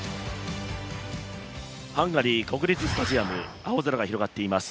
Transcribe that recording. ハンガリー国立スタジアム青空が広がっています。